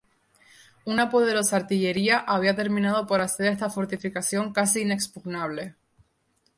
Una poderosa artillería había terminado por hacer esta fortificación casi inexpugnable.